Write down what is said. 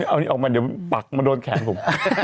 เอาอันนี้ออกมาเดี๋ยวปักมันโดนแข็งผม